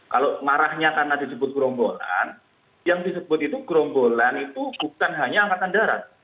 kalau marahnya karena disebut gerombolan yang disebut itu gerombolan itu bukan hanya angkatan darat